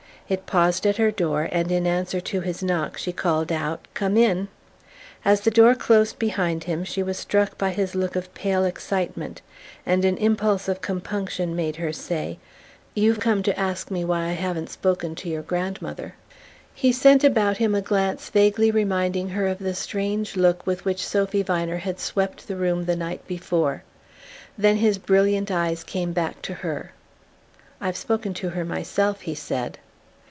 It paused at her door and in answer to his knock she called out "Come in!" As the door closed behind him she was struck by his look of pale excitement, and an impulse of compunction made her say: "You've come to ask me why I haven't spoken to your grandmother!" He sent about him a glance vaguely reminding her of the strange look with which Sophy Viner had swept the room the night before; then his brilliant eyes came back to her. "I've spoken to her myself," he said.